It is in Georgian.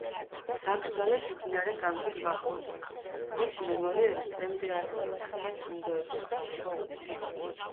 დაკრძალეს მდინარე განგის მახლობლად; მის მემორიალი დღემდე არსებობს და მას ინდოეთის მთავრობა უვლის.